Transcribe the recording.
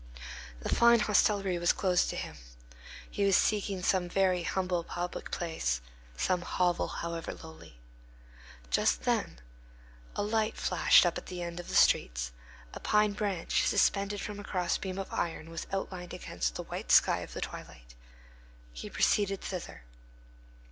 The fine hostelry was closed to him; he was seeking some very humble public house, some hovel, however lowly. Just then a light flashed up at the end of the streets; a pine branch suspended from a cross beam of iron was outlined against the white sky of the twilight. He proceeded thither.